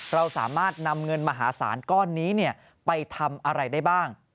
เราสามารถนำเงินมหาศาลก้อนนี้ไปทำอะไรได้บ้าง